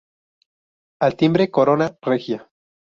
Al timbre, corona regia.